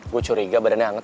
gue curiga badannya hangat